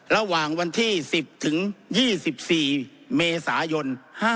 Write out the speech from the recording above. ระหว่างวันที่๑๐ถึง๒๔เมษายน๕๕